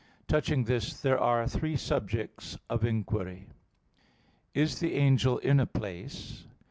Touching this there are three subjects of inquiry: (1) Is the angel in a place?